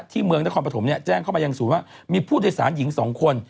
ที่เมืองนครปฐมเนี้ยแจ้งเข้ามาอย่างสูงว่ามีผู้โดยสารหญิงสองคน